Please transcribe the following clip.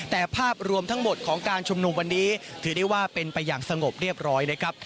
แต่ภาพรวมทั้งหมดของการชุมนุมวันนี้ถือได้ว่าเป็นไปอย่างสงบเรียบร้อยนะครับ